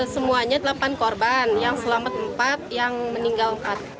semuanya delapan korban yang selamat empat yang meninggal empat